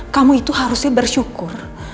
kamu itu harusnya bersyukur